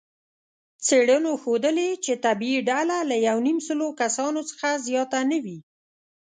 څېړنو ښودلې، چې طبیعي ډله له یونیمسلو کسانو څخه زیاته نه وي.